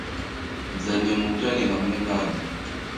Nzanye Mutoni hamwe nanjye.